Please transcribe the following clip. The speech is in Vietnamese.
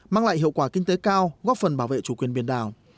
mang lại hiệu quả kinh tế cao góp phần bảo vệ chủ quyền biển đảo